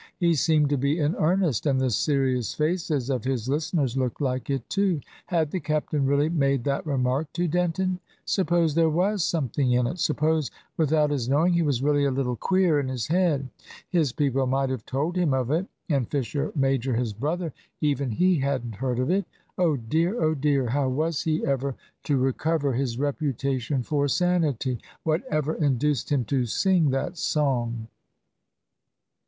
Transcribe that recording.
He seemed to be in earnest, and the serious faces of his listeners looked like it too. Had the captain really made that remark to Denton? Suppose there was something in it! Suppose, without his knowing, he was really a little queer in his head! His people might have told him of it. And Fisher major, his brother even he hadn't heard of it! Oh dear! oh dear! How was he ever to recover his reputation for sanity? Whatever induced him to sing that song?